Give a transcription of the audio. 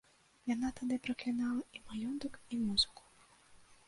Яна тады праклінала і маёнтак і музыку.